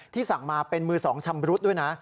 สั่งมาเป็นมือ๒ชำรุดด้วยนะ